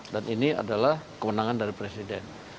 dan ini adalah kemenangan dari presiden